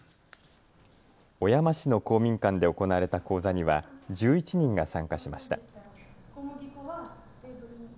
小山市の公民館で行われた講座には１１人が参加しました。